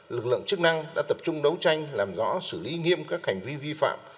lực lượng chức năng đã tập trung đấu tranh làm rõ xử lý nghiêm các hành vi vi phạm